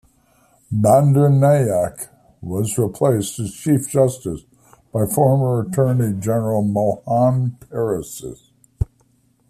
Bandaranayake was replaced as chief justice by former Attorney General Mohan Peiris.